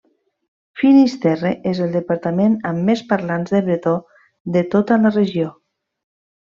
Finisterre és el departament amb més parlants de bretó de tota la regió.